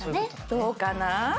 どうかな？